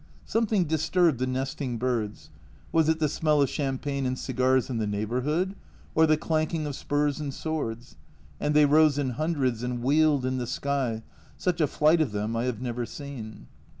Something disturbed the nesting birds was it the smell of champagne and cigars in the neighbourhood, or the clanking of spurs and swords? and they rose in hundreds and wheeled in the sky, such a flight of them I have never seen.